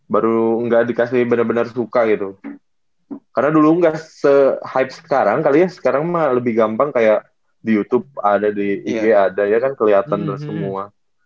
baru enggak dikasih bener bener suka gitu karena dulu enggak se hype sekarang kali ya sekarang mah lebih gampang kayak di youtube ada di ig ada ya kan keliatan tuh semua